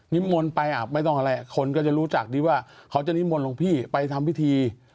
มนต์ไปอ่ะไม่ต้องอะไรคนก็จะรู้จักดีว่าเขาจะนิมนต์หลวงพี่ไปทำพิธี